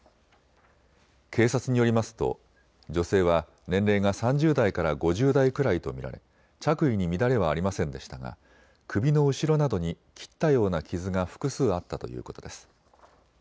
警察によりますと女性は年齢が３０代から５０代くらいと見られ着衣に乱れはありませんでしたが首の後ろなどに切ったような傷が複数あったということです。